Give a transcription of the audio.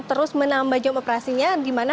terus menambah jam operasinya gimana